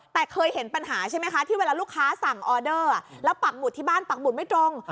แต่เคยเห็นปัญหาใช่ไหมคะที่เวลาลูกค้าสั่งออเดอร์แล้วปักหมุดที่บ้านปักหมุดไม่ตรง